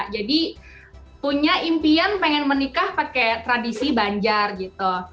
jadi punya impian pengen menikah pakai tradisi banjar gitu